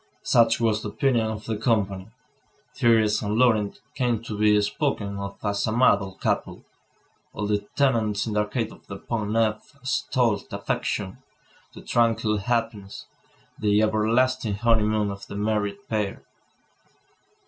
Such was the opinion of the company. Thérèse and Laurent came to be spoken of as a model couple. All the tenants in the Arcade of the Pont Neuf extolled the affection, the tranquil happiness, the everlasting honeymoon of the married pair.